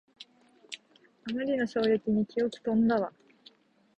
あまりの衝撃に記憶とんだわ